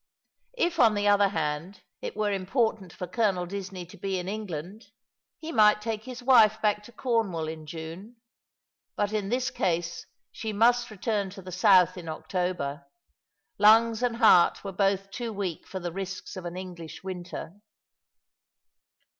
If on the other hand it were important for Colonel Disney to be in England, he might take his wife back to Cornwall in June. But in this case she must return to the south in October. Lungs and heart were both too weak for the risks of an English winter.